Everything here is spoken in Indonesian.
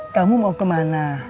kamu mau kemana